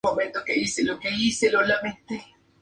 Todas las demás indicaciones todavía no están demostradas.